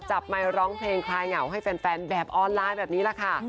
ไมค์ร้องเพลงคลายเหงาให้แฟนแบบออนไลน์แบบนี้แหละค่ะ